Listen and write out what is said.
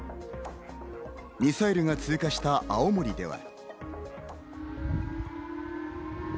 ミサイルが通過した青森では。